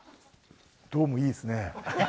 ドームいいですね。